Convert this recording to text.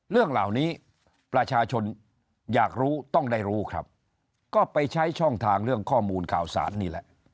เรื่องเหล่านี้ประชาชนอยากรู้ต้องได้รู้ครับก็ไปใช้ช่องทางเรื่องข้อมูลข่าวสารนี่แหละ